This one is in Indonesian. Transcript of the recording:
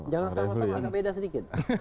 jangan sama sama agak beda sedikit